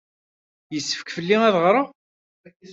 Yessefk fell-i ad ɣreɣ?